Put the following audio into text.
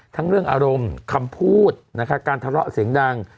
ทั้งเรื่องอารมณ์คำพูดนะคะการทะเลาะเสียงดัง